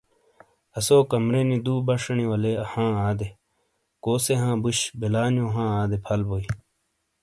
اسو کمرے نی دو باشینی والے ہاں آدے۔ کوسے ہاں بوش ۔بلا نیو ہاں ادے فل بوۓ۔